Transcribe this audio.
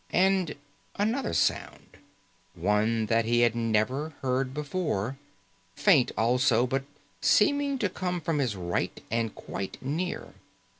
And another sound one that he had never heard before faint, also, but seeming to come from his right and quite near.